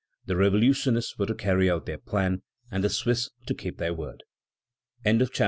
The revolutionists were to carry out their plan, and the Swiss to keep their word. XXVII.